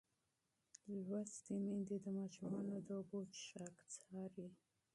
لوستې میندې د ماشومانو د اوبو څښاک څاري.